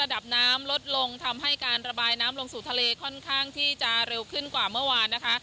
ระดับน้ำลดลงทำให้การระบายน้ำลงสู่ทะเลค่อนข้างที่จะเร็วขึ้นกว่าเมื่อวานนะคะ